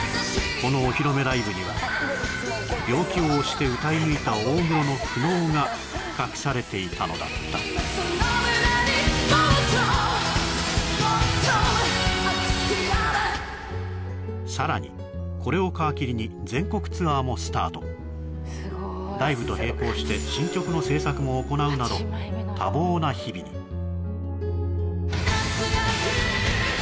このお披露目ライブには病気を押して歌い抜いた大黒の苦悩が隠されていたのだったその胸にもっともっと熱くなれさらにこれを皮切りに全国ツアーもスタートライブと並行して新曲の制作も行うなど多忙な日々に夏が来る